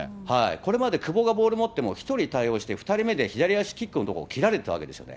これまで久保がボール持っても、１人対応して、２人目で左足キックのところを切られてたわけですよね。